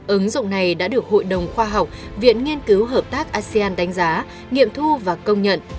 ứng dụng này đã được hội đồng khoa học viện nghiên cứu hợp tác asean đánh giá nghiệm thu và công nhận